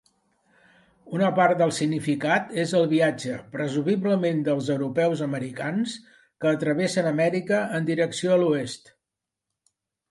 Una part del significat és el viatge, presumiblement dels europeus-americans, que travessen Amèrica en direcció a l'oest.